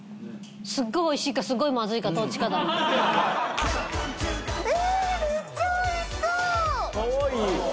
すごいおいしいかすごいまずいかどっちかだえ